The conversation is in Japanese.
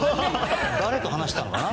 誰と話したのかな？